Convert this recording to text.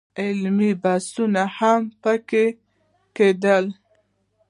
علمي بحثونه هم په کې کېدل.